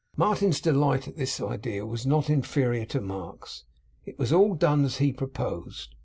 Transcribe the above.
Martin's delight in this idea was not inferior to Mark's. It was all done as he proposed.